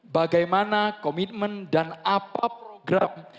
bagaimana komitmen dan apa program